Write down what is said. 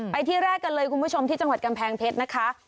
ที่แรกกันเลยคุณผู้ชมที่จังหวัดกำแพงเพชรนะคะ